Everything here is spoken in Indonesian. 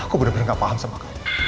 aku bener bener gak paham sama kamu